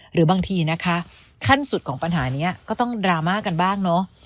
หรือบางทีนะคะขั้นสุดของปัญหานี้ก็ต้องดราม่ากันบ้างเนอะ